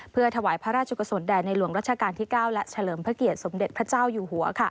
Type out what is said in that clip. เพื่อถวายพระราชกุศลแด่ในหลวงรัชกาลที่๙และเฉลิมพระเกียรติสมเด็จพระเจ้าอยู่หัว